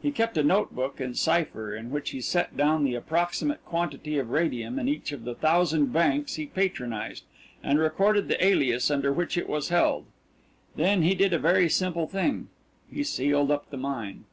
He kept a note book in cipher in which he set down the approximate quantity of radium in each of the thousand banks he patronised, and recorded the alias under which it was held. Then he did a very simple thing he sealed up the mine.